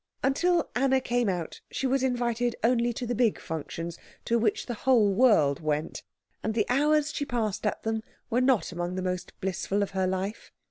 Until Anna came out she was invited only to the big functions to which the whole world went; and the hours she passed at them were not among the most blissful of her life.